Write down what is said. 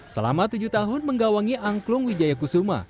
selama tujuh tahun menggawangi angklung wijaya kusuma